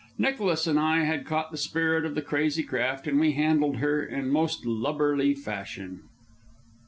Nicholas and I had caught the spirit of the crazy craft, and we handled her in most lubberly fashion.